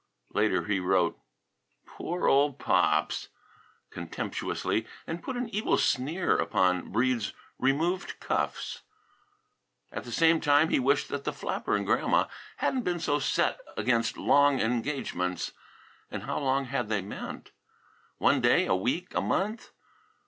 Later he wrote "Poor old Pops!" contemptuously, and put an evil sneer upon Breede's removed cuffs. At the same time he wished that the flapper and Grandma hadn't been so set against long engagements. And how long had they meant? One day, a week, a month?